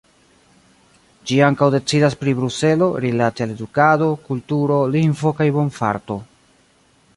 Ĝi ankaŭ decidas pri Bruselo rilate al edukado, kulturo, lingvo kaj bonfarto.